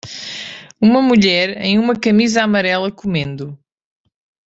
Uma mulher em uma camisa amarela comendo.